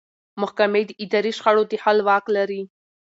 محکمې د اداري شخړو د حل واک لري.